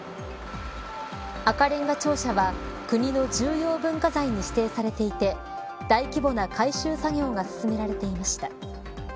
赤れんが庁舎は、国の重要文化財に指定されていて大規模な改修作業が進められていました。